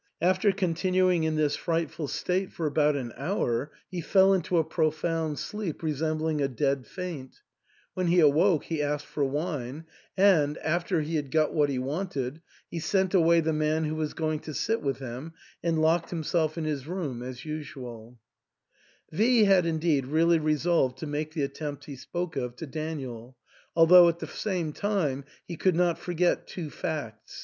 After con tinuing in this frightful state for about an hour, he fell into a profound sleep resembling a dead faint When he awoke he asked for wine ; and, after he had got what he wanted, he sent away the man who was going to sit with him, and locked himself in his room as usual V had indeed really resolved to make the attempt he spoke of to Daniel, although at the same time he could not forget two facts.